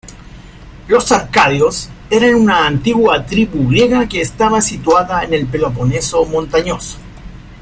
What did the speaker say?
Los arcadios eran una antigua tribu griega que estaba situada en el Peloponeso montañoso.